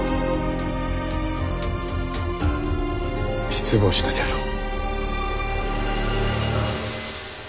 失望したであろう？